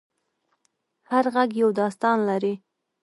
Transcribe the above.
هر غږ یو داستان لري.